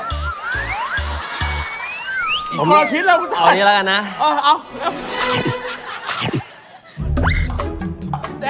อีกขนาดชิ้นแล้วคุณตันเอานี่แล้วกันนะเอา